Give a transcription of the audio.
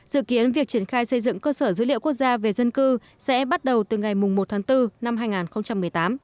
dự kiến việc triển khai xây dựng cơ sở dữ liệu quốc gia về dân cư sẽ bắt đầu từ ngày một tháng bốn năm hai nghìn một mươi tám